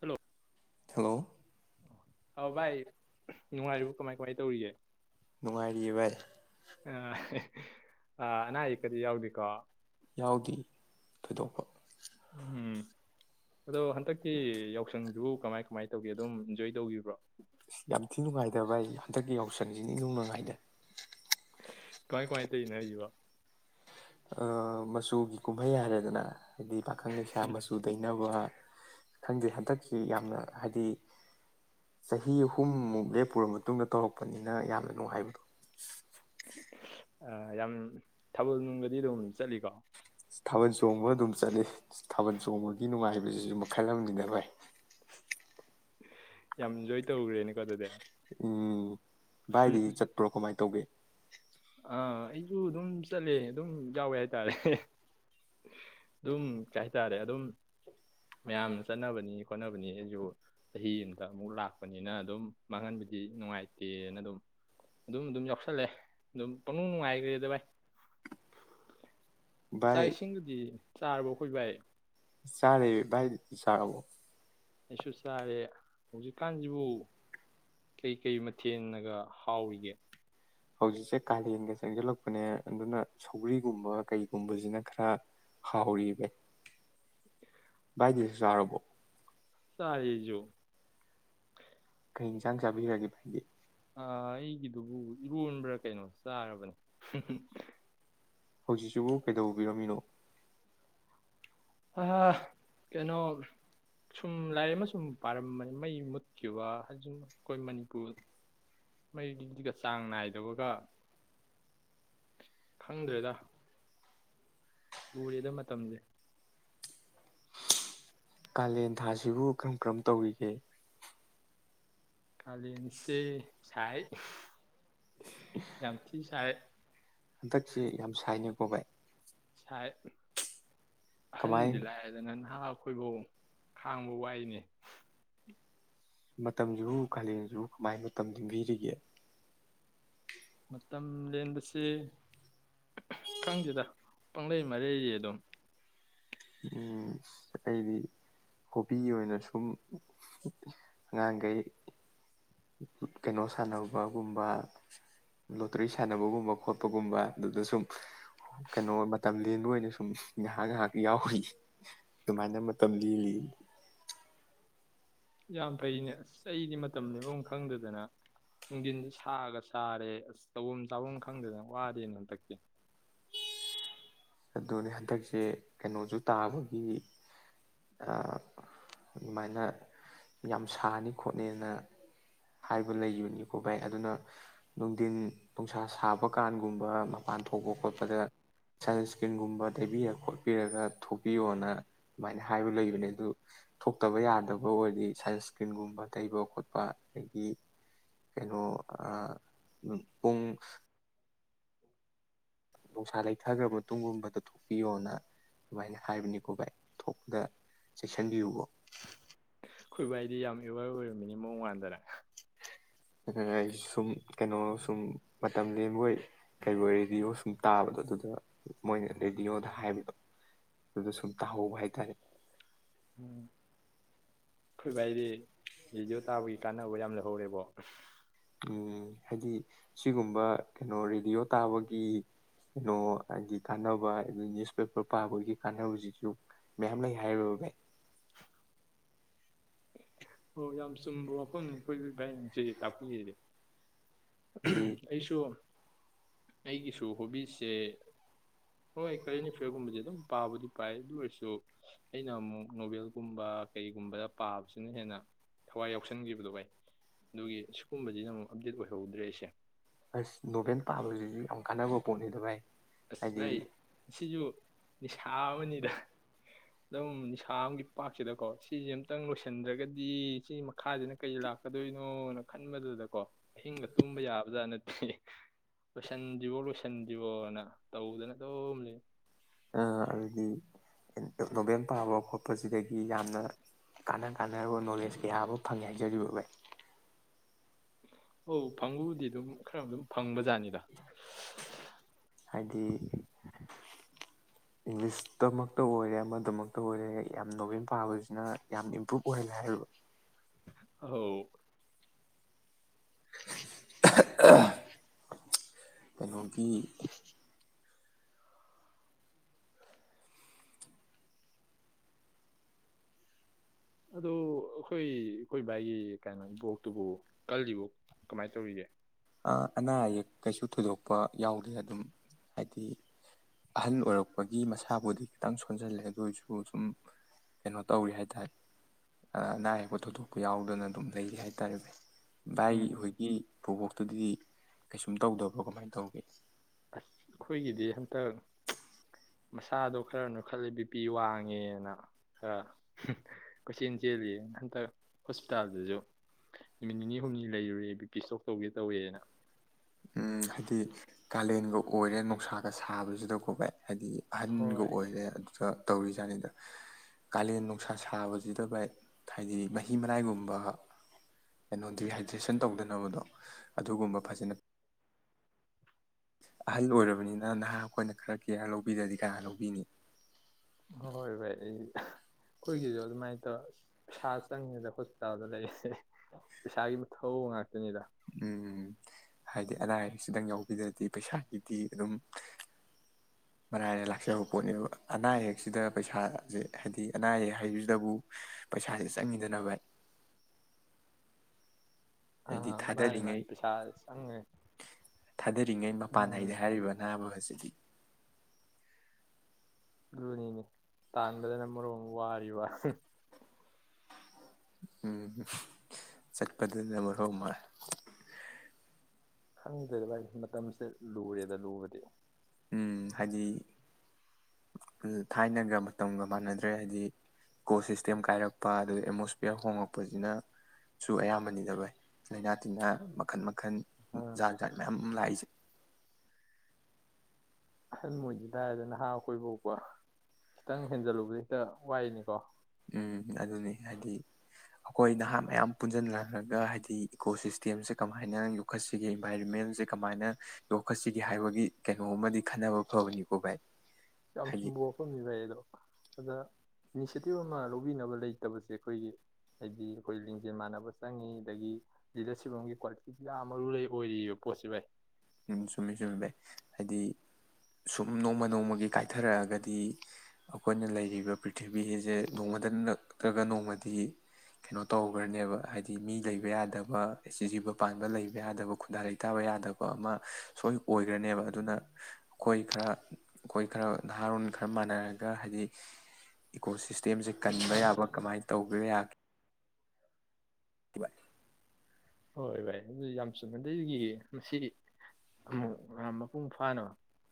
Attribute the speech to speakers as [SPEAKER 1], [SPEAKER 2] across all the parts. [SPEAKER 1] Hello
[SPEAKER 2] hello
[SPEAKER 1] ꯑꯥꯎ ꯚꯥꯏ ꯅꯨꯡꯉꯥꯏꯔꯤꯕ ꯀꯃꯥꯏ ꯀꯃꯥꯏ ꯇꯧꯔꯤꯒꯦ
[SPEAKER 2] ꯅꯨꯡꯉꯥꯏꯔꯤꯌꯦ ꯚꯥꯏ
[SPEAKER 1] ꯑ ꯑ ꯅꯥ ꯑꯩ ꯀꯗꯤ ꯌꯥꯎꯗꯤꯀꯣ
[SPEAKER 2] ꯌꯥꯎꯗꯦ ꯊꯣꯏꯗꯣꯛꯄ
[SPEAKER 1] ꯎꯝ ꯑꯗꯣ ꯍꯟꯗꯛꯀꯤ ꯌꯥꯎꯁꯪꯗꯨ ꯀꯃꯥꯏ ꯀꯃꯥꯏꯅ ꯇꯧꯒꯦ ꯑꯗꯨꯝ ꯏꯟꯖꯣꯏ ꯇꯧꯕꯕ꯭ꯔꯣ
[SPEAKER 2] ꯑ ꯌꯥꯝ ꯊꯤ ꯅꯨꯡꯉꯥꯏꯗꯕ ꯑꯩ ꯍꯟꯗꯛꯀꯤ ꯌꯥꯎꯁꯪꯁꯤꯅꯤꯅꯨꯡ ꯅꯨꯡꯉꯥꯏꯗꯕ
[SPEAKER 1] ꯀꯉꯥꯏ ꯀꯉꯥꯏ ꯇ ꯏꯅ ꯌ ꯋꯥ
[SPEAKER 2] ꯃꯆꯨꯒꯤ ꯀꯨꯝꯍꯩ ꯍꯥꯏꯔꯦꯗꯅ ꯍꯥꯏꯗꯤ ꯄꯥꯈꯪ ꯂꯩꯁꯥ ꯃꯆꯨ ꯇꯩꯅꯕ ꯑꯗꯨꯒ ꯈꯪꯗꯩ ꯍꯟꯗꯛꯀꯤ ꯌꯥꯝꯅ ꯍꯥꯏꯗꯤ ꯆꯍꯤ ꯑꯍꯨꯝ ꯃꯨꯛꯂꯦ ꯄꯨꯔꯝꯃ ꯃꯇꯨꯡꯗ ꯇꯧꯔꯛꯄꯅꯤꯅ ꯌꯥꯝꯅ ꯅꯨꯡꯉꯥꯏꯕꯗꯣ
[SPEAKER 1] ꯑ ꯌꯥꯝ ꯊꯥꯕꯜ ꯅꯨꯡꯒꯗꯤ ꯑꯗꯨꯝ ꯆꯠꯂꯤꯀꯣ
[SPEAKER 2] ꯊꯥꯕꯜ ꯆꯣꯡꯕ ꯑꯗꯨꯝ ꯆꯠꯂꯤ ꯊꯥꯕꯜ ꯆꯣꯡꯕꯒꯤ ꯅꯨꯡꯉꯥꯏꯕꯁꯤꯁꯨ ꯃꯈꯜ ꯑꯃꯅꯤꯅ ꯚꯥꯏ
[SPEAKER 1] ꯌꯥꯝꯏꯟꯖꯣꯏ ꯇꯧꯈ꯭ꯔꯦꯅꯦꯀꯣ ꯑꯗꯨꯗꯤ
[SPEAKER 2] ꯎꯝ ꯥꯏꯗꯤ ꯆꯠꯄ꯭ꯔꯣ ꯀꯃꯥꯏ ꯇꯧꯒꯦ
[SPEAKER 1] ꯑ ꯑꯩꯁꯨ ꯑꯗꯨꯝ ꯆꯠꯂꯦ ꯑꯗꯨꯝ ꯌꯥꯎꯋꯦ ꯍꯥꯏꯇꯥꯔꯦ ꯑꯗꯨꯝ ꯀꯩ ꯍꯥꯏꯇꯥꯔꯦ ꯑꯗꯨꯝ ꯃꯌꯥꯝꯅ ꯆꯠꯅꯕꯅꯤ ꯈꯣꯠꯅꯕꯅꯤ ꯑꯩꯁꯨ ꯆꯍꯤ ꯑꯃꯇ ꯑꯃꯨꯛ ꯂꯥꯛꯄꯅꯤꯅ ꯑꯗꯨꯝ ꯃꯥꯡꯍꯟꯕꯗꯤ ꯅꯨꯡꯉꯥꯏꯇꯦꯅ ꯑꯗꯨꯝ ꯑꯗꯨꯝ ꯑꯗꯨꯝ ꯌꯥꯎꯁꯜꯂꯦ ꯑꯗꯨꯝ ꯄꯅꯨꯡ ꯅꯨꯡꯉꯥꯏꯈ꯭ꯔꯦꯗ ꯚꯏ ꯆꯥꯛ
[SPEAKER 2] ꯚꯥꯏ
[SPEAKER 1] ꯏꯁꯤꯡꯗꯨꯗꯤ ꯆꯥꯔꯕ ꯑꯩꯈꯣꯏ ꯚꯥꯏ
[SPEAKER 2] ꯆꯔꯦ ꯚꯥꯏ ꯆꯔꯕ
[SPEAKER 1] ꯁꯨꯁꯔꯦ ꯍꯧꯖꯤꯛꯀꯥꯟꯁꯤꯕꯨ ꯀꯩꯀꯩ ꯃꯊꯦꯜꯅꯒ ꯍꯥꯎꯔꯤꯒꯦ
[SPEAKER 2] ꯍꯧꯖꯤꯁꯦ ꯀꯂꯤ ꯌꯦꯡꯒꯦꯁ ꯆꯪꯁꯤꯜꯂꯛꯄꯅꯦ ꯑꯗꯨꯅ ꯁꯧꯒ꯭ꯔꯤꯒꯨꯝꯕ ꯀꯩꯒꯨꯝꯕꯁꯤꯅ ꯈꯔ ꯍꯥꯎꯔꯤꯕ ꯥꯏꯗꯤ ꯆꯔꯔꯕꯣ
[SPEAKER 1] ꯇꯥꯔꯦꯖꯣ
[SPEAKER 2] ꯀꯩ ꯢꯟꯖꯥꯡ ꯆꯥꯕꯤꯔꯒꯦ [unintelligible]
[SPEAKER 1] ꯑꯥ ꯑꯩꯒꯤ ꯗꯨꯕꯨ ꯏꯔꯣꯟꯕ꯭ꯔꯥ ꯀꯩꯅꯣ ꯆꯥꯔꯕꯅꯦ ꯍꯨꯡ-ꯍꯨꯡ꯫
[SPEAKER 2] ꯍꯧꯖꯤꯛꯁꯤꯕꯨ ꯀꯩꯗꯧꯕꯤꯔꯝꯃꯤꯅꯣ?
[SPEAKER 1] ꯍꯥ-ꯍꯥ ꯀꯩꯅꯣ ꯁꯨꯝ ꯂꯥꯢꯔꯤꯛ ꯑꯃ ꯁꯨꯝ ꯄꯥꯔꯝꯕꯅꯤ ꯃꯩ ꯃꯨꯠ ꯀ꯭ꯌꯨꯕꯥ ꯑꯗꯨ ꯑꯈꯣꯏ ꯃꯅꯤꯄꯨꯔ ꯃꯩꯗꯤ ꯁꯤꯒ ꯆꯥꯡ ꯅꯥꯏꯗꯕꯒ ꯈꯪꯗ꯭ꯔꯦꯗꯥ꯫ ꯎꯔꯦꯗ ꯃꯇꯝꯖꯦ [inaudible]
[SPEAKER 2] ꯀꯥꯂꯦꯟ ꯊꯥꯁꯤꯕꯨ ꯀꯔꯝ-ꯀꯔꯝ ꯇꯧꯔꯤꯒꯦ?
[SPEAKER 1] ꯀꯥꯂꯦꯟꯁꯦ ꯁꯥꯏ ꯌꯥꯝ ꯊꯤ ꯁꯥꯏ꯫
[SPEAKER 2] ꯀꯣꯥ ꯕꯥꯏ?
[SPEAKER 1] ꯁꯥꯏ
[SPEAKER 2] ꯀꯃꯥꯏ
[SPEAKER 1] ꯑꯍꯟꯗꯤ ꯂꯩꯏꯔꯗꯅ ꯍꯥꯅꯥ ꯑꯩꯈꯣꯏꯕꯧ ꯈꯥꯡꯕ ꯋꯥꯏꯅꯦ
[SPEAKER 2] ꯃꯇꯝꯖꯤꯕꯨ ꯀꯥꯂꯦꯟꯖꯤꯕꯨ ꯀꯃꯥꯏꯅ ꯃꯇꯝ ꯂꯤꯟꯕꯤꯔꯤꯒꯦ
[SPEAKER 1] ꯃꯇꯝ ꯂꯦꯟꯕꯁꯦ ꯈꯪꯗꯦꯗ ꯄꯥꯂꯩ ꯃꯔꯩꯌꯦ ꯑꯗꯨꯝ
[SPEAKER 2] ꯎꯝ ꯑꯗꯩꯗꯤ ꯍꯣꯕꯤ ꯑꯣꯏꯅ ꯁꯨꯝ ꯑꯉꯥꯡꯒꯩ ꯀꯩꯅꯣ ꯁꯥꯟꯅꯕꯒꯨꯝꯕ ꯂꯣꯇ꯭ꯔꯤ ꯁꯥꯟꯅꯕꯒꯨꯝꯕ ꯈꯣꯠꯄꯒꯨꯝꯕ ꯑꯗꯨꯗ ꯁꯨꯝ ꯀꯅꯣ ꯃꯇꯝ ꯂꯦꯟꯕ ꯑꯣꯏꯅ ꯁꯨꯝ ꯉꯥꯏꯍꯥꯛ-ꯉꯥꯏꯍꯥꯛ ꯌꯥꯎꯔꯤꯌꯦ ꯑꯗꯨꯃꯥꯏꯅ ꯃꯇꯝ ꯂꯦꯜꯂꯤ
[SPEAKER 1] ꯌꯥꯝ ꯐꯩꯅꯦ ꯑꯁ ꯑꯩꯗꯤ ꯃꯇꯝ ꯂꯦꯟꯕꯝ ꯈꯪꯗꯗꯅ ꯅꯨꯡꯗꯤꯟ ꯁꯥꯒꯥ ꯁꯥ ꯁꯥꯔꯦ ꯑꯁ ꯇꯩꯕꯝ ꯆꯥꯕꯝ ꯈꯪꯗꯗꯅ ꯋꯥꯔꯦ ꯍꯟꯗꯛꯇꯤ
[SPEAKER 2] ꯑꯗꯨꯅꯤ ꯍꯟꯗꯛꯁꯦ ꯀꯩꯅꯣꯖꯨ ꯇꯥꯕꯒꯤ ꯑꯥ ꯑꯗꯨꯃꯥꯏꯅ ꯌꯥꯝ ꯁꯥꯅꯤ ꯈꯣꯠꯅꯦꯅ ꯍꯥꯏꯕ ꯂꯩꯕꯅꯤꯀꯣ ꯚꯥꯏ ꯑꯗꯨꯅ ꯅꯨꯡꯗꯤꯟ ꯅꯨꯡꯁꯥ ꯁꯥꯕ ꯀꯥꯟꯒꯨꯝꯕ ꯃꯄꯥꯟ ꯊꯣꯛꯄ ꯈꯣꯠꯄꯗ ꯏꯁꯀꯤꯟꯒꯨꯝꯕ ꯇꯩꯕꯤꯔ ꯈꯣꯠꯄꯤꯔꯒ ꯊꯣꯛꯄꯤꯌꯣꯅ ꯑꯗꯨꯃꯥꯏꯅ ꯍꯥꯏꯕ ꯂꯩꯕꯅꯦ ꯑꯗꯨ ꯊꯣꯛꯇꯕ ꯌꯥꯗꯕ ꯑꯣꯏꯔꯗꯤ ꯁꯟ ꯏꯁꯀ꯭ꯔꯤꯟꯒꯨꯝꯕ ꯇꯩꯕ ꯈꯣꯠꯄ ꯑꯗꯒꯤ ꯀꯩꯅꯣ ꯑꯥ ꯄꯨꯡ ꯅꯨꯡꯁꯥ ꯂꯩꯊꯒ꯭ꯔꯥꯕ ꯇꯨꯡꯒꯨꯝꯕꯗ ꯊꯣꯛꯄꯤꯌꯣꯅ ꯑꯗꯨꯃꯥꯏꯅ ꯍꯥꯏꯕꯅꯤꯀꯣ ꯚꯥꯏ ꯊꯣꯛꯄꯗ ꯆꯦꯛꯁꯤꯟꯕꯤꯌꯨꯀꯣ
[SPEAKER 1] ꯑꯩꯈꯣꯏ ꯚꯥꯏꯗꯤ ꯌꯥꯝ ꯑꯦꯋꯦ꯭ꯔ ꯑꯣꯏꯔꯝꯃꯤ ꯃꯑꯣꯡ ꯃꯥꯟꯗꯅ
[SPEAKER 2] ꯒꯔꯥꯏ ꯁꯨꯝ ꯀꯩꯅꯣ ꯁꯨꯝ ꯃꯇꯝ ꯂꯦꯟꯕꯣꯏ ꯀꯩꯕꯣꯏ ꯔꯦꯗꯤꯑꯣ ꯁꯨꯝ ꯇꯥꯕꯗꯣ ꯑꯗꯨꯗ ꯃꯣꯏ ꯔꯦꯗꯤꯑꯣꯗ ꯍꯥꯏꯕꯗꯣ ꯑꯗꯨꯗ ꯁꯨꯝ ꯇꯥꯍꯧꯕ ꯍꯥꯏ ꯇꯥꯔꯦ
[SPEAKER 1] ꯎꯝ ꯑꯩꯈꯣꯏ ꯚꯥꯏꯗꯤ ꯔꯦꯗꯤꯑꯣ ꯇꯥꯕꯒꯤ ꯀꯥꯟꯅꯕ ꯌꯥꯝ ꯂꯧꯍꯧꯔꯦꯕꯣ
[SPEAKER 2] ꯎꯝ ꯍꯥꯏꯗꯤ ꯁꯤꯒꯨꯝꯕ ꯀꯩꯅꯣ ꯔꯦꯗꯤꯑꯣ ꯇꯥꯕꯒꯤ ꯀꯩꯅꯣ ꯍꯥꯏꯗꯤ ꯀꯥꯟꯅꯕ ꯅ꯭ꯌꯨꯁꯄꯦꯄꯔ ꯄꯥꯕꯒꯤ ꯀꯥꯟꯅꯕꯁꯤꯁꯨ ꯃꯌꯥꯝ ꯂꯩ ꯍꯥꯏꯔꯔꯣꯏꯒꯦ
[SPEAKER 1] ꯍꯣ ꯌꯥꯝ ꯆꯨꯝꯕ ꯋꯥꯐꯝꯅꯤ ꯑꯩꯈꯣꯏ ꯚꯥꯏꯅꯤꯁꯤ ꯇꯥꯛꯄꯤꯔꯤꯁꯤ ꯑꯩꯁꯨ ꯑꯩꯒꯤꯁꯨ ꯍꯣꯕꯤꯁꯦ ꯍꯣꯏ ꯀꯥꯔꯦꯟ ꯑꯦꯐꯤꯌꯔꯒꯨꯝꯕꯁꯦ ꯑꯗꯨꯝ ꯄꯥꯕꯨꯗꯤ ꯄꯥꯏ ꯑꯗꯨꯑꯣꯏꯁꯨ ꯑꯩꯅꯃꯨꯛ ꯅꯣꯕꯦꯜꯒꯨꯝꯕ ꯑ ꯀꯩꯒꯨꯝꯕꯗ ꯄꯥꯕꯁꯤꯅ ꯍꯦꯟꯅ ꯊꯋꯥꯏ ꯌꯥꯎꯁꯟꯈꯤꯕꯗꯣ ꯚꯥꯏ ꯑꯗꯨꯒꯤ ꯁꯤꯒꯨꯝꯕꯁꯤꯅ ꯑꯃꯨꯛ ꯑꯞꯗꯦꯠ ꯑꯣꯏ
[SPEAKER 2] ꯑꯁ ꯅꯣꯕꯦꯟ ꯄꯥꯂꯣꯏꯖꯤ ꯑꯩ ꯌꯥꯝ ꯀꯥꯟꯅꯕ ꯄꯣꯠꯅꯤꯗ ꯚꯥꯏ
[SPEAKER 1] ꯑꯁ
[SPEAKER 2] ꯍꯥꯏꯗꯤ
[SPEAKER 1] ꯚꯩ ꯁꯤꯖꯨ ꯅꯤꯁꯥ ꯑꯃꯅꯤꯗ ꯑꯗꯨꯝ ꯅꯤꯁꯥ ꯑꯃꯒꯤ ꯄꯥꯛꯁꯤꯗꯀꯣ ꯁꯤꯁꯦ ꯑꯝꯇꯪ ꯂꯣꯏꯁꯤ ꯁꯤꯟꯗ꯭ꯔꯒꯗꯤ ꯁꯤ ꯃꯈꯥꯗꯅ ꯀꯩ ꯂꯥꯛꯀꯗꯣꯏꯅꯣꯅ ꯈꯟꯕꯗꯨꯗꯀꯣ ꯑꯍꯤꯡꯒ ꯇꯨꯝꯕ ꯌꯥꯕꯖꯥꯠ ꯅꯠꯇꯦ ꯂꯣꯏꯁꯤꯟꯗꯔꯤꯕꯣ ꯂꯣꯏꯁꯤꯟꯗꯤꯕꯣꯅ ꯇꯧꯗꯅ ꯑꯗꯨꯝ ꯂꯩ
[SPEAKER 2] ꯑ ꯑꯗꯨꯗꯤ ꯅꯣꯕꯦꯜ ꯄꯥꯕ ꯈꯣꯠꯄꯁꯤꯗꯤ ꯑꯩ ꯌꯥꯝꯅ ꯀꯥꯟꯅ ꯀꯥꯟꯅꯔꯕ ꯅꯣꯂꯦꯖ ꯀꯌꯥ ꯑꯃ ꯐꯪꯉꯦ ꯍꯥꯏꯖꯔꯤꯕ ꯚꯥꯏ
[SPEAKER 1] ꯑꯧ ꯐꯪꯕꯕꯨꯗꯤ ꯑꯗꯨꯝ ꯈꯔ ꯑꯗꯨꯝ ꯐꯪꯕꯖꯥꯠꯅꯤꯗ
[SPEAKER 2] ꯍꯥꯏꯗꯤ ꯏꯪꯂꯤꯁꯇꯃꯛꯇ ꯑꯣꯏꯔꯦ ꯑꯃꯗꯃꯛꯇ ꯑꯣꯏꯔꯦ ꯌꯥꯝ ꯅꯣꯚꯦꯜ ꯄꯥꯕꯁꯤꯅ ꯌꯥꯝ ꯏꯝꯄ꯭ꯔꯨꯞ ꯑꯣꯏꯍꯜꯂꯦ ꯍꯥꯏꯔꯤꯕ
[SPEAKER 1] ꯑꯧ
[SPEAKER 2] ꯑꯥ ꯀꯩꯅꯣꯒꯤ
[SPEAKER 1] ꯑꯗꯣ ꯑꯩꯈꯣꯏ ꯑꯩꯈꯣꯏ ꯚꯥꯏꯒꯤ ꯀꯩꯅꯣ ꯏꯕꯣꯛꯇꯨꯕꯨ ꯀꯜꯂꯤꯕꯣ ꯀꯃꯥꯏ ꯇꯧꯔꯤꯒꯦ
[SPEAKER 2] ꯑ ꯑꯅꯥ ꯑꯌꯦꯛ ꯀꯩꯁꯨ ꯊꯣꯏꯗꯣꯛꯄ ꯌꯥꯎꯗꯦ ꯑꯗꯨꯝ ꯍꯥꯏꯗꯤ ꯑꯍꯟ ꯑꯣꯏꯔꯛꯄꯒꯤ ꯃꯁ ꯃꯁꯥꯕꯨꯗꯤ ꯈꯤꯇꯪ ꯁꯣꯟꯖꯜꯂꯦ ꯑꯗꯨꯑꯣ ꯑꯣꯏꯁꯨ ꯁꯨꯝ ꯀꯩꯅꯣ ꯇꯧꯔꯤ ꯍꯥꯏꯇꯥꯔꯦ ꯑꯅꯥ ꯑꯌꯦꯛꯄ ꯊꯣꯗꯣꯛꯄ ꯌꯥꯎꯗꯅ ꯑꯗꯨꯝ ꯂꯩꯔꯤ ꯍꯥꯏꯇꯥꯔꯦ ꯐꯩ ꯚꯥꯏ
[SPEAKER 1] ꯎꯝ
[SPEAKER 2] ꯍꯣꯏꯒꯤ ꯕꯣꯕꯣꯛ ꯑꯗꯨꯗꯤ ꯀꯩꯁꯨꯝ ꯇꯧꯗꯕ꯭ꯔꯣ ꯀꯃꯥꯏ ꯇꯧꯒꯦ
[SPEAKER 1] ꯑꯁ ꯑꯩꯈꯣꯏꯒꯤꯗꯤ ꯍꯟꯇꯛ ꯃꯁꯥꯗꯣ ꯈꯔꯅ ꯅꯣꯏꯈꯠꯂꯦꯕꯤ ꯄꯤ ꯋꯥꯡꯉꯦꯅ ꯈ ꯀꯣꯏꯆꯦꯟ ꯆꯦꯜꯂꯤꯌꯦ ꯍꯟꯇꯛ ꯍꯣꯁꯄꯤꯇꯥꯜꯗꯁꯨ ꯅꯨꯃꯤꯠ ꯅꯤꯅꯤ ꯍꯨꯝꯅꯤ ꯂꯩꯔꯨꯔꯦ ꯕꯤꯄꯤ ꯏꯁꯇꯣꯛ ꯇꯧꯒꯦ ꯇꯧꯋꯦꯅ
[SPEAKER 2] ꯎꯝ ꯍꯥꯏꯗꯤ ꯀꯥꯂꯦꯟꯒ ꯑꯣꯏꯔꯦ ꯅꯣꯡꯁꯥꯒ ꯁꯥꯕꯁꯤꯗꯀꯣ ꯚꯥꯏ ꯍꯥꯏꯗꯤ ꯑꯍꯟꯒ
[SPEAKER 1] ꯍꯣꯏ
[SPEAKER 2] ꯑꯣꯏꯔꯦ ꯆ ꯇꯧꯔꯤꯖꯥꯠꯅꯤꯗ ꯀꯥꯂꯦꯟ ꯅꯨꯡꯁꯥ ꯁꯥꯕꯁꯤꯗ ꯚꯥꯏ ꯍꯥꯏꯗꯤ ꯃꯍꯤ ꯃꯅꯥꯥꯏꯒꯨꯝꯕ ꯀꯩꯅꯣ ꯗꯤꯍꯥꯏꯗ꯭ꯔꯦꯁꯟ ꯇꯧꯗꯅꯕꯗꯣ ꯑꯗꯨꯒꯨꯝꯕ ꯐꯖꯅ ꯑꯍꯜ ꯑꯣꯏꯔꯕꯅꯤꯅ ꯅꯍꯥ ꯑꯩꯈꯣꯏꯅ ꯈꯔ ꯀꯤꯌꯥꯔ ꯂꯧꯕꯤꯗ꯭ꯔꯗꯤ ꯀꯅꯥ ꯂꯧꯕꯤꯅꯤ
[SPEAKER 1] ꯍꯣꯍꯣꯏ ꯚꯥꯏ ꯑꯩ ꯑꯩꯈꯣꯏꯒꯤꯁꯨ ꯑꯗꯨꯃꯥꯏ ꯇꯧ ꯄꯩꯁꯥ ꯆꯪꯉꯤꯗ ꯇꯗ ꯂꯩ [unintelligible] ꯄꯩꯁꯥꯒꯤ ꯃꯊꯧ ꯉꯥꯛ
[SPEAKER 2] ꯎꯝ ꯍꯥꯏꯗꯤ ꯑꯅꯥ ꯑꯌꯦꯛꯁꯤꯗꯪ ꯌꯥꯎꯕꯤꯗ꯭ꯔꯗꯤ ꯄꯩꯁꯥꯒꯤꯗꯤ ꯑꯗꯨꯝ ꯃꯔꯥꯏꯅ ꯂꯥꯛꯆꯕ ꯄꯣꯠꯅꯦꯕ ꯑꯅꯥ ꯑꯌꯦꯛꯁꯤꯗ ꯄꯩꯁꯥꯁꯦ ꯍꯥꯏꯗꯤ ꯑꯅꯥ ꯑꯌꯦꯛ ꯍꯩꯢꯖꯤꯗꯕꯨ ꯄꯩꯁꯥꯁꯦ ꯆꯪꯉꯤꯗꯅ ꯕꯥꯏ ꯍꯥꯏꯗꯤ
[SPEAKER 1] ꯑꯥ ꯃꯥꯅꯤ
[SPEAKER 2] ꯊꯥꯗꯔꯤꯉꯩ
[SPEAKER 1] ꯃꯥꯅꯤ ꯄꯩꯁꯥ ꯆꯪꯉꯦ
[SPEAKER 2] ꯊꯥꯗꯔꯤꯉꯩ ꯃꯄꯥꯟ
[SPEAKER 1] ꯎꯝ
[SPEAKER 2] ꯅꯥꯏꯗꯦ ꯍꯥꯏꯔꯤꯕ ꯑꯅꯥꯕꯁꯤꯗꯤ꯫
[SPEAKER 1] ꯑꯗꯨꯅꯤꯅꯦ꯫ ꯇꯥꯟꯕꯗꯅ ꯃꯔꯣꯟꯃ ꯋꯥꯔꯤ [unintelligible]
[SPEAKER 2] ꯎꯝ ꯆꯠꯄꯗꯨꯅ ꯃꯔꯣꯝꯃꯥ
[SPEAKER 1] ꯈꯪꯗ꯭ꯔꯦꯗ ꯚꯥꯏ ꯃꯇꯝꯁꯦ ꯂꯨꯔꯦꯗ ꯂꯨꯕꯗꯤ
[SPEAKER 2] ꯎꯝ ꯍꯥꯏꯗꯤ ꯊꯥꯏꯅꯒ ꯃꯇꯝꯒ ꯃꯥꯟꯅꯗ꯭ꯔꯦ ꯍꯥꯏꯗꯤ ꯢꯀꯣꯁꯤꯁꯇꯦꯝ ꯀꯥꯏꯔꯛꯄ ꯑꯗꯨ ꯑꯦꯠꯃꯣꯁꯄꯤꯌꯥꯔ ꯍꯣꯉꯛꯄꯁꯤꯅꯁꯨ ꯑꯌꯥꯝꯕꯅꯤꯗ ꯕꯥꯢ ꯂꯥꯏꯅꯥ ꯇꯤꯟꯅꯥ ꯃꯈꯜ ꯃꯈ ꯃꯈꯟ
[SPEAKER 1] ꯑꯥ
[SPEAKER 2] ꯖꯥꯠ ꯖꯥꯠ ꯃꯌꯥꯝ ꯑꯃ ꯂꯥꯛꯏꯁꯦ꯫
[SPEAKER 1] ꯑꯍꯟ ꯃꯣꯏꯗꯤ ꯂꯥꯏꯔꯗꯅ ꯅꯍꯥ ꯑꯩꯈꯣꯢꯕꯨꯛ ꯋꯥ ꯈꯤꯇꯪ ꯍꯦꯟꯖꯜꯂꯨꯕꯖꯤꯗ ꯋꯥꯏꯅꯦ ꯀꯣ꯫
[SPEAKER 2] ꯎꯝ ꯑꯗꯨꯅꯤ ꯍꯥꯏꯗꯤ ꯑꯩꯈꯣꯏ ꯅꯍꯥ ꯃꯌꯥꯝ ꯄꯨꯟꯖꯟꯅ ꯔꯒ ꯍꯥꯏꯗꯤ ꯏꯀꯣ ꯁꯤꯁꯇꯦꯝꯁꯦ ꯀꯃꯥꯏꯅ ꯌꯣꯛꯈꯠꯁꯤꯒꯦ ꯏꯟꯚꯥꯏꯔꯣꯟꯃꯦꯟꯁꯦ ꯀꯃꯥꯏꯅ ꯌꯣꯛꯈꯠꯁꯤꯒꯦ ꯍꯥꯏꯕꯒꯤ ꯀꯩꯅꯣꯃꯗꯤ ꯈꯟꯅꯕ ꯐꯕꯅꯤꯀꯣ ꯚꯥꯏ꯫
[SPEAKER 1] ꯌꯥꯝꯝ
[SPEAKER 2] ꯍꯥꯏꯗꯤ
[SPEAKER 1] ꯆꯨꯝꯕ ꯋꯥꯐꯝꯅꯤ ꯕꯥꯏ ꯑꯗꯣ꯫ ꯑꯗ ꯏꯅꯤꯁꯦꯇꯤꯚ ꯑꯃ ꯂꯧꯕꯤꯅꯕ ꯂꯩ ꯂꯩꯇꯕꯁꯦ ꯑꯩꯈꯣꯏꯒꯤ ꯍꯥꯏꯗꯤ ꯑꯩꯈꯣꯏ ꯂꯤꯡꯖꯦꯜ ꯃꯥꯟꯅꯕ ꯆꯪꯉꯤ ꯑꯗꯒꯤ ꯂꯤꯗꯔꯁꯤꯞ ꯑꯃꯒꯤ ꯀ꯭ꯋꯥꯂꯤꯇꯤ ꯌꯥꯝ ꯃꯔꯨ ꯂꯣꯏ ꯑꯣꯏꯔꯤꯌꯦꯕ ꯄꯣꯠꯁꯦ ꯕꯥꯏ ꯫
[SPEAKER 2] ꯎꯝ ꯆꯨꯝꯃꯤ ꯆꯨꯝꯃꯤ ꯚꯥꯏ ꯍꯥꯏꯗꯤ ꯁꯨꯝ ꯅꯣꯡꯃ ꯅꯣꯡꯃꯒꯤ ꯀꯥꯏꯊꯔꯛꯑꯒꯗꯤ ꯑꯩꯈꯣꯏꯅ ꯂꯩꯔꯤꯕ ꯄ꯭ꯔꯤꯊꯤꯕꯤꯁꯦ ꯅꯣꯡꯃꯗ ꯅꯠꯇ꯭ꯔꯒ ꯅꯣꯡꯃꯗꯤ ꯀꯩꯅꯣ ꯇꯧꯈ꯭ꯔꯅꯦꯕ ꯍꯥꯏꯗꯤ ꯃꯤ ꯂꯩꯕ ꯌꯥꯗꯕ ꯖꯤꯕ ꯄꯥꯟꯕ ꯂꯩꯕ ꯌꯥꯗꯕ ꯈꯨꯟꯗꯥ ꯂꯩꯇꯥꯕ ꯌꯥꯗꯕ ꯑꯃ ꯁꯣꯏ ꯑꯣꯏꯈ꯭ꯔꯅꯦꯕ ꯑꯗꯨꯅ ꯑꯩꯈꯣꯏ ꯈꯔ ꯑꯩꯈꯣꯏ ꯈꯔ ꯅꯍꯥꯔꯣꯟ ꯈꯔ ꯃꯥꯟꯅꯔ ꯍꯥꯏꯗꯤ ꯏꯀꯣꯁꯤꯁ ꯁꯇꯦꯝꯁꯦ ꯀꯟꯕ ꯌꯥꯕ ꯀꯃꯥꯏ ꯇꯧ [unintelligible] [unintelligible] ꯕꯥꯏ
[SPEAKER 1] ꯍꯣꯏ ꯚꯥꯏ ꯑꯗꯨ ꯌꯥꯝ ꯆꯨꯝꯃꯤ ꯃꯁꯤ ꯑꯃꯨꯛ ꯃꯄꯨꯡ ꯐꯥꯅ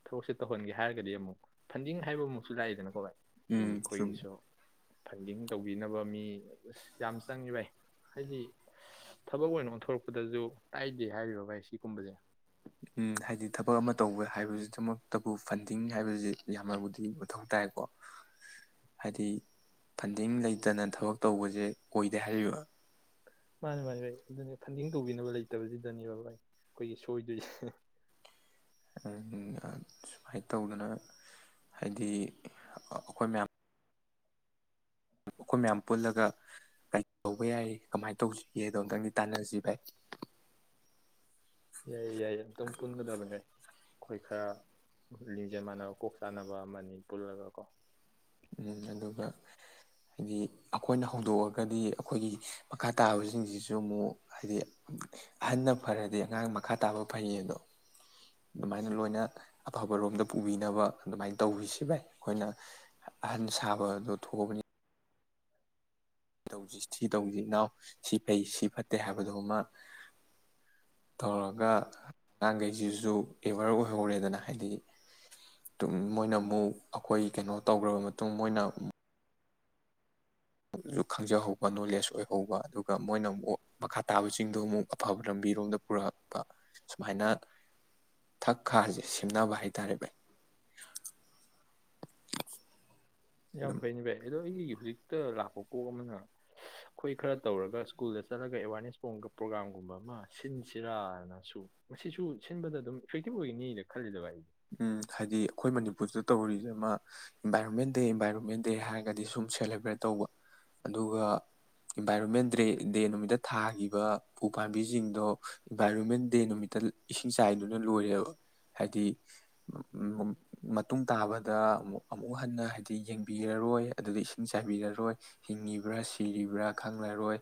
[SPEAKER 1] ꯊꯕꯛꯁꯦ ꯇꯧꯍꯟꯒꯦ ꯍꯥꯏꯔꯒꯗꯤ ꯑꯃꯨꯛ ꯐꯟꯗꯤꯡ ꯍꯥꯏꯕ ꯃꯨꯛꯁꯨ ꯂꯥꯛꯑꯦꯗꯅꯀꯣ ꯚꯥꯏ ꯎꯝ ꯑꯩꯈꯣꯏꯒꯤꯁꯨ ꯐꯟꯗꯤꯡ ꯇꯧꯕꯤꯅꯕ ꯃꯤ ꯑꯁ ꯌꯥꯝ ꯆꯪꯉꯤ ꯚꯥꯏ ꯍꯥꯏꯗꯤ ꯊꯕꯛ ꯑꯣꯏꯅ ꯑꯣꯟꯊꯣꯔꯛꯄꯗꯁꯨ ꯀꯥꯏꯗꯦ ꯍꯥꯏꯔꯤꯕ ꯚꯥꯏꯁꯤ꯫ ꯀꯨꯝꯕꯖꯦ꯫
[SPEAKER 2] ꯎꯝ ꯍꯥꯏꯗꯤ ꯊꯕꯛ ꯑꯃ ꯇꯧꯕ ꯍꯥꯏꯕꯁꯤꯗꯃꯛꯇꯕꯨ ꯐꯟꯗꯤꯡ ꯍꯥꯏꯕꯁꯤ ꯌꯥꯝꯅꯕꯨꯗꯤ ꯃꯊꯧ ꯇꯥꯏꯀꯣ ꯍꯥꯏꯗꯤ ꯐꯟꯗꯤꯡ ꯂꯩꯇꯅ ꯊꯕꯛ ꯇꯧꯕꯁꯦ ꯑꯣꯏꯗꯦ ꯍꯥꯏꯔꯤꯕ꯫
[SPEAKER 1] ꯃꯥꯅꯤ ꯃꯥꯅꯤ ꯚꯥꯏ ꯑꯗꯨꯅꯤ ꯐꯟꯗꯤꯡ ꯇꯧꯕꯤꯅꯕ ꯂꯩꯇꯕꯁꯤꯗꯅꯦꯕ ꯚꯥꯏ꯫ ꯑꯩꯈꯣꯏꯒꯤ ꯁꯣꯏꯗꯣꯏꯁꯦ꯫
[SPEAKER 2] [unintelligible] ꯁꯨꯃꯥꯏꯅ ꯇꯧꯗꯅ ꯍꯥꯏꯗꯤ ꯑꯩꯈꯣꯏ ꯃꯌꯥꯝ꯫ ꯑꯩꯈꯣꯏ ꯃꯌꯥꯝ ꯄꯨꯜꯂꯒ ꯀꯩ ꯇꯧꯕ ꯌꯥꯏ ꯀꯃꯥꯏꯅ ꯇꯧꯁꯤꯒꯦꯗꯣ ꯑꯝꯇꯪꯗꯤ ꯇꯥꯟꯅꯁꯤ ꯚꯥꯏ꯫
[SPEAKER 1] ꯌꯥꯏ ꯌꯥꯏꯌꯦ ꯑꯝꯇꯪ ꯄꯨꯟꯒꯗꯕꯅꯦ ꯑꯩꯈꯣꯏ ꯈꯔ ꯂꯤꯡꯖꯦꯜ ꯃꯥꯟꯅꯕ ꯀꯣꯛ ꯆꯥꯅꯕ ꯑꯃꯅꯤ ꯄꯨꯜꯂꯒ ꯀꯣ꯫
[SPEAKER 2] ꯎꯝ ꯑꯗꯨꯒ ꯍꯥꯏꯗꯤ ꯑꯩꯈꯣꯏꯅ ꯍꯧꯗꯣꯛꯑꯒꯗꯤ ꯑꯩꯈꯣꯏꯒꯤ ꯃꯈꯥ ꯇꯥꯕꯁꯤꯡꯁꯤꯁꯨ ꯑꯃꯨꯛ ꯍꯥꯏꯗꯤ ꯑꯍꯟꯅ ꯐꯔꯗꯤ ꯑꯉꯥꯡ ꯃꯈꯥ ꯇꯥꯕ ꯐꯩꯌꯦ ꯑꯗꯣ ꯑꯗꯨꯃꯥꯏꯅ ꯂꯣꯏꯅ ꯑꯐꯕꯔꯣꯝꯗ ꯄꯨꯕꯤꯅꯕ ꯑꯗꯨꯃꯥꯏꯅ ꯇꯧꯕꯤꯁꯤ ꯚꯥꯏ ꯑꯩꯈꯣꯏꯅ꯫ ꯑꯍꯟ ꯁꯥꯕꯗꯣ ꯊꯣꯛꯑꯕꯅꯤ꯫ ꯁꯤ ꯇꯧꯁꯤ ꯁꯤ ꯇꯧꯁꯤ ꯏꯅꯥꯎ ꯁꯤ ꯐꯩ ꯁꯤ ꯐꯠꯇꯦ ꯍꯥꯏꯕꯗꯃ ꯇꯧꯔꯒ ꯑꯉꯥꯡꯈꯩꯁꯤꯁꯨ ꯑꯦꯋꯥꯦꯔ ꯑꯣꯏꯍꯧꯔꯦꯗꯅ ꯍꯥꯏꯗꯤ ꯃꯣꯏꯅ ꯑꯃꯨꯛ꯫ ꯑꯩꯈꯣꯏ ꯀꯩꯅꯣ ꯇꯧꯈ꯭ꯔꯕ ꯃꯇꯨꯡ꯫ ꯃꯇꯨꯡ ꯃꯣꯏꯅ꯫ [unintelligible] ꯈꯪꯖꯍꯧꯕ ꯅꯣꯂꯦꯖ ꯑꯣꯏꯍꯧꯕ ꯑꯗꯨꯒ ꯃꯣꯏꯅ ꯑꯃꯨꯛ ꯃꯈꯥ ꯇꯥꯕꯁꯤꯡꯗꯣ ꯑꯃꯨꯛ ꯑꯐꯕ ꯂꯝꯕꯤꯔꯣꯝꯗ ꯄꯨꯔꯛꯄ ꯁꯨꯃꯥꯏꯅ ꯊꯛ ꯈꯥꯁꯦ ꯁꯦꯝꯅꯕ ꯍꯥꯏ ꯇꯥꯔꯦ ꯚꯥꯏ꯫ ꯑꯗꯨ
[SPEAKER 1] ꯌꯥꯝ ꯐꯩꯅꯤ ꯚꯥꯏ ꯑꯗꯣ ꯑꯩꯒꯤ ꯍꯧꯖꯤꯛꯇ ꯂꯥꯛꯄ ꯀꯣꯛ ꯑꯃꯅ꯫ ꯑꯩꯈꯣꯏ ꯈꯔ ꯇꯧꯔꯒ ꯁ꯭ꯀꯨꯜꯗ ꯆꯠꯂꯒ ꯑꯦꯋꯥꯔꯅꯦꯁ꯫ [unintelligible] ꯄꯨ꯭ꯔꯣꯒꯥꯝꯒꯨꯝꯕꯃ꯫ ꯁꯤꯟꯁꯤꯔꯥꯅ ꯁꯨꯝ꯫ ꯃꯁꯤꯁꯨ ꯁꯤꯟꯕꯗ ꯑꯗꯨꯝ ꯏꯐꯦꯛꯇꯤꯕ ꯑꯣꯏꯒꯅꯤꯅ ꯈꯜꯂꯤꯗ ꯚꯥꯏ ꯑꯩꯗꯤ
[SPEAKER 2] ꯎꯝ ꯍꯥꯏꯗꯤ ꯑꯩꯈꯣꯏ ꯃꯅꯤꯄꯨꫪꯁꯤꯗ ꯇꯧꯔꯤꯁꯤ ꯑꯃ ꯏꯟꯚꯥꯏꯔꯣꯟꯃꯦꯟ ꯗꯦ ꯏꯟꯚꯥꯏꯔꯣꯟꯃꯦꯟ ꯗꯦ ꯍꯥꯏꯔꯒꯗꯤ ꯁꯨꯝ ꯁꯦꯂꯦꯕ꯭ꯔꯦꯠ ꯇꯧꯕ ꯑꯗꯨꯒ꯫ ꯏꯟꯚꯥꯏꯔꯣꯟꯃꯦꯟ ꯗꯦ ꯗꯦ ꯅꯨꯃꯤꯠꯇ ꯊꯥ꯫ [unintelligible] ꯎ ꯄꯥꯝꯕꯤꯁꯤꯡꯗꯣ ꯏꯟꯚꯥꯏꯔꯣꯟꯃꯦꯟ ꯗꯦ ꯅꯨꯃꯤꯠꯇ ꯏꯁꯤꯡ ꯆꯥꯏꯗꯨꯅ ꯂꯣꯏꯔꯦꯕ ꯍꯥꯏꯗꯤ꯫ ꯃꯇꯨꯡ ꯇꯥꯕꯗ ꯑꯃꯨ ꯑꯃꯨꯛ ꯍꯟꯅ ꯍꯥꯏꯗꯤ ꯌꯦꯡꯕꯤꯔꯔꯣꯏ ꯑꯗꯨꯗ ꯏꯁꯤꯡ ꯆꯥꯏꯕꯤꯔꯔꯣꯏ ꯍꯤꯡꯉꯤꯕ꯭ꯔꯥ ꯁꯤꯔꯤꯕ꯭ꯔꯥ ꯈꯪꯂꯔꯣꯏ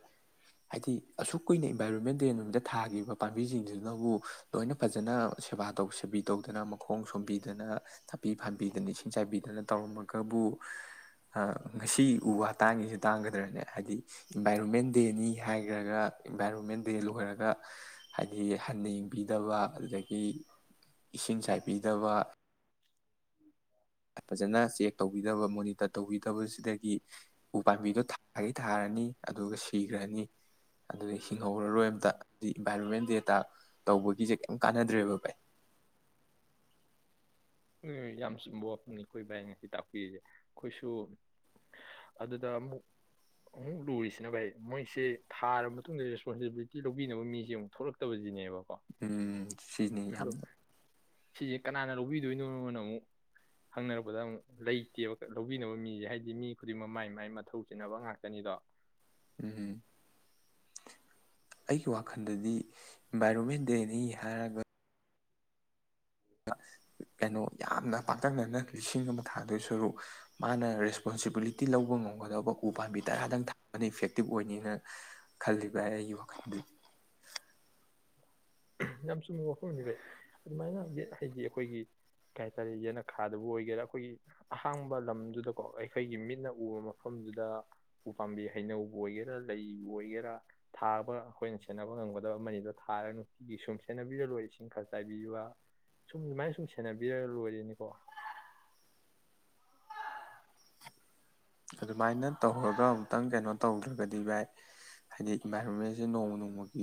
[SPEAKER 2] ꯍꯥꯏꯗꯤ ꯑꯁꯨꯛ ꯀꯨꯏꯅ ꯏꯟꯚꯥꯏꯔꯣꯟꯃꯦꯟ ꯗꯦ ꯅꯨꯃꯤꯠꯇ ꯊꯥꯈꯤꯕ ꯄꯥꯝꯕꯤꯁꯤꯡꯁꯤꯅꯕꯨ ꯂꯣꯏꯅ ꯐꯖꯅ ꯁꯦꯕꯥ ꯇꯧ ꯁꯦꯕꯤ ꯇꯧꯗꯅ ꯑꯃꯨ꯫ ꯃꯈꯣꯡ ꯁꯣꯝꯕꯤꯗꯅ ꯅꯥꯄꯤ ꯐꯟꯕꯤꯗꯅ ꯏꯁꯤꯡ ꯆꯥꯏꯕꯤꯗꯅ ꯇꯧꯔꯝꯃꯒꯕꯨ ꯉꯁꯤ ꯎ ꯋꯥ ꯇꯥꯡꯉꯁꯤ ꯇꯥꯡꯒꯗ꯭ꯔꯅꯦ ꯍꯥꯏꯗꯤ꯫ ꯏꯟꯚꯥꯏꯔꯣꯟꯃꯦꯟ ꯗꯦꯅꯤ꯫ ꯍꯥꯏꯈ꯭ꯔꯒ ꯏꯟꯚꯥꯏꯔꯣꯟꯃꯦꯟ ꯗꯦ ꯂꯣꯏꯔꯒ ꯍꯥꯏꯗꯤ ꯍꯟꯅ ꯌꯦꯡꯕꯤꯗꯕ ꯑꯗꯨꯗꯒꯤ ꯏꯁꯤꯡ ꯆꯥꯏꯕꯤ꯫ ꯕꯤꯗꯕ꯫ ꯐꯖꯅ ꯆꯦꯛ ꯇꯧꯕꯤꯗꯕ ꯃꯣꯅꯤꯇꫪ ꯇꯧꯕꯤꯗꯕꯁꯤꯗꯒꯤ ꯎ ꯄꯥꯝꯕꯤꯗꯣ ꯊꯥꯒꯩ ꯊꯥꯔꯅꯤ ꯑꯗꯨꯒ ꯁꯤꯈ꯭ꯔꯅꯤ ꯑꯗꯨꯗꯒꯤ꯫ ꯍꯤꯡꯍꯧꯔꯔꯣꯏ ꯑꯃꯇ ꯍꯥꯏꯗꯤ ꯏꯟꯚꯥꯏꯔꯣꯟꯃꯦꯟ ꯗꯦ ꯇꯧꯕꯒꯤꯁꯦ ꯀꯩꯝ ꯀꯥꯟꯅꯗ꯭ꯔꯦꯕ ꯥꯚꯥꯏ꯫
[SPEAKER 1] ꯌꯥꯝ ꯆꯨꯝꯕ ꯋꯥꯐꯝꯅꯤ ꯑꯩꯈꯣꯏ ꯚꯥꯏ ꯉꯁꯤ ꯇꯥꯛꯄꯤꯔꯤꯁꯦ ꯑꯩꯈꯣꯏꯁꯨ ꯑꯗꯨꯗ ꯑꯃꯨꯛ ꯑꯃꯨꯛ ꯂꯨꯔꯤꯁꯤꯅ ꯚꯥꯏ ꯃꯣꯏꯁꯦ꯫ ꯊꯥꯔꯕ ꯃꯇꯨꯡꯗ꯫ ꯑꯦꯕꯤꯂꯤꯇꯤ ꯂꯧꯕꯤꯅꯕ ꯃꯤꯁꯦ ꯑꯃꯨꯛ ꯊꯣꯛꯂꯛꯇꯕꯁꯤꯅꯦꯕ꯫
[SPEAKER 2] ꯎꯝ ꯁꯤꯅꯤ ꯌꯥꯝꯅ꯫
[SPEAKER 1] ꯁꯤꯁꯦ ꯀꯅꯥꯅ ꯂꯧꯕꯤꯗꯣꯏꯅꯣꯅ ꯑꯃꯨꯛ ꯍꯪꯅꯔꯛꯄꯗ ꯑꯃꯨꯛ꯫ ꯂꯩꯇꯦꯕ꯫ ꯂꯧꯕꯤꯅꯕ ꯃꯤꯁꯦ ꯍꯥꯏꯗꯤ ꯃꯤ ꯈꯨꯗꯤꯡꯃꯛ ꯃꯥꯏ ꯃꯥꯏ ꯃꯊꯧ ꯆꯤꯟꯅꯕ ꯉꯥꯛꯇꯅꯤꯗꯣ꯫
[SPEAKER 2] [unintelligible] ꯑꯩꯒꯤ ꯋꯥꯈꯜꯗꯗꯤ ꯏꯟꯚꯥꯏꯔꯣꯟꯃꯦꯟ ꯗꯦꯅꯤ ꯍꯥꯏꯔꯒ ꯀꯩꯅꯣ ꯌꯥꯝꯅ ꯄꯥꯛꯇꯛꯅꯅ ꯂꯤꯁꯤꯡ ꯑꯃ ꯊꯥꯗꯨꯏ ꯁꯔꯨꯛ ꯃꯥꯅ ꯔꯦꯁꯄꯣꯟꯁꯤꯕꯤꯂꯤꯇꯤ ꯂꯧꯕ ꯉꯝꯒꯗꯕ ꯎ ꯄꯥꯝꯕꯤ ꯇꯔꯥꯗꯪ ꯊꯥꯕꯅꯤ ꯏꯐꯦꯛꯇꯤꯞ ꯑꯣꯏꯅꯤꯅ ꯈꯜꯂꯤꯕ ꯑꯩ ꯑꯩꯒꯤ ꯋꯥꯈꯜꯗꯨꯗꯤ
[SPEAKER 1] ꯌꯥꯝ ꯆꯨꯝꯕ ꯋꯥꯐꯝꯅꯤ ꯚꯥꯏ ꯑꯗꯨꯃꯥꯏꯅ ꯍꯥꯏꯗꯤ ꯑꯩꯈꯣꯏꯒꯤ ꯀꯩ ꯍꯥꯏꯇꯥꯔꯦ ꯌꯦꯅꯈꯥꯗꯕꯨ ꯑꯣꯏꯒꯦꯔꯥ ꯑꯩꯈꯣꯏꯒꯤ ꯑꯍꯥꯡꯕ ꯂꯝꯗꯨꯗꯀꯣ ꯑꯩꯈꯣꯏꯒꯤ ꯃꯤꯠꯅ ꯎꯕ ꯃꯐꯝꯗꯨꯗ ꯎꯄꯥꯥꯝꯕꯤ ꯍꯩꯅꯧ ꯑꯣꯏꯒꯦꯔꯥ ꯂꯩꯕꯨ ꯑꯣꯏꯒꯦꯔꯥ ꯊꯥꯕ ꯑꯩꯈꯣꯏꯅ ꯁꯦꯟꯅꯕ ꯉꯝꯒꯗꯕ ꯑꯃꯅꯤꯗꯣ ꯊꯥꯔꯅ ꯁꯤꯁꯨꯝ ꯁꯦꯅꯕꯤꯔ ꯂꯣꯏꯔꯦ ꯏꯁꯤꯡ ꯈꯔ ꯆꯥꯏ ꯁꯨꯝ ꯑꯗꯨꯃꯥꯏꯅ ꯁꯨꯝ ꯁꯦꯟꯅꯕꯤꯔ ꯂꯣꯏꯔꯅꯦꯀꯣ
[SPEAKER 2] ꯑꯗꯨꯃꯥꯏꯅ ꯇꯧꯔꯒ ꯑꯃꯨꯛꯇꯪ ꯀꯩꯅꯣ ꯇꯧꯗ꯭ꯔꯒꯗꯤ ꯚꯥꯏ ꯍꯥꯏꯗꯤ ꯏꯟꯚꯥꯏꯔꯣꯟꯃꯦꯟꯁꯦ ꯅꯣꯡꯃ ꯅꯣꯡꯃꯒꯤ